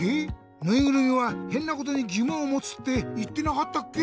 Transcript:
ぬいぐるみはへんなことにぎもんをもつっていってなかったっけ？